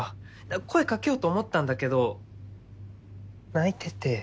声掛けようと思ったんだけど泣いてて。